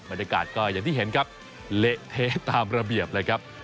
บรรยากาศก็อย่างที่เห็นครับเละเทะตามระเบียบเลยครับ